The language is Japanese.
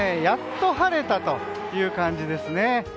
やっと晴れたという感じですね。